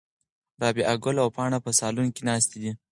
رابعه ګل او پاڼه په صالون کې ناستې دي.